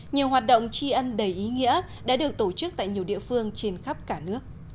nhiều hoạt động tri ân đầy ý nghĩa đã được tổ chức tại nhiều địa phương trên khắp cả nước